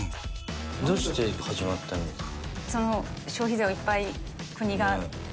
どうして始まったんですか？